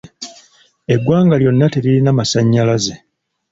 Eggwanga lyonna teririna masannyalaze.